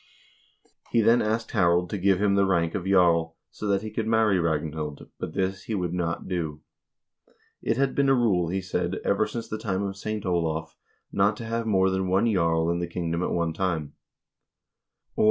He then asked Harald to give him the rank of jarl, so that he could marry Ragnhild, but this he would not do. It had been a rule, he said, ever since the time of St. Olav, not to have more than one jarl in the kingdom at one time.